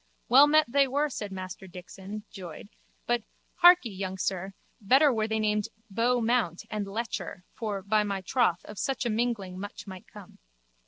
Well met they were, said Master Dixon, joyed, but, harkee, young sir, better were they named Beau Mount and Lecher for, by my troth, of such a mingling much might come.